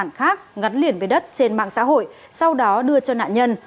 tài sản khác ngắn liền với đất trên mạng xã hội sau đó đưa cho nạn nhân